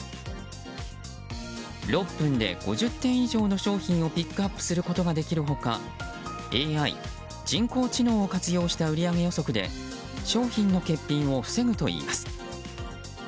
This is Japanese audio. ６分で５０点以上の商品をピックアップすることができる他ＡＩ・人工知能を活用した売り上げ予測で商品の欠品を防ぐといいます。